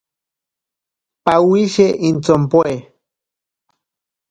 Pawishe intsompoe.